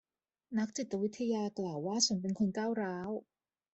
นักจิตวิทยากล่าวว่าฉันเป็นคนก้าวร้าว